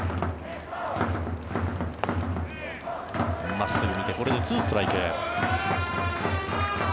真っすぐ見てこれで２ストライク。